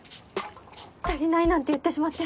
「足りない」なんて言ってしまって。